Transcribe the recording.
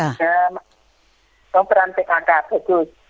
oh peran pkk bagus